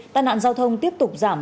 tai nạn giao thông tiếp tục giảm